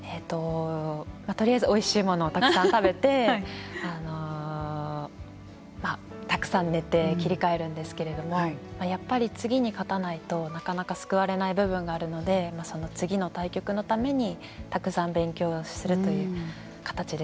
とりあえずおいしいものをたくさん食べてたくさん寝て切り替えるんですけれどもやっぱり次に勝たないとなかなか救われない部分があるのでその次の対局のためにたくさん勉強するという形ですね。